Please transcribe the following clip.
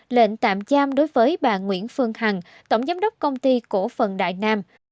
lệnh tạm giam đối với bà nguyễn phương hằng tổng giám đốc công ty cổ phần đại nam